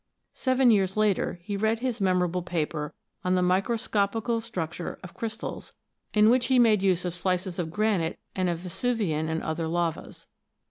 Seven years later, he read his memor able paper on "The Microscopical Structure of Crystals(s)," in which he made use of slices of granite 6 ROCKS AND THEIR ORIGINS [CH. and of Vesuvian and other lavas.